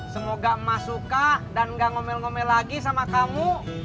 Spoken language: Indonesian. semoga emas suka dan gak ngomel ngomel lagi sama kamu